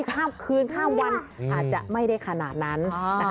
ข้ามคืนข้ามวันอาจจะไม่ได้ขนาดนั้นนะคะ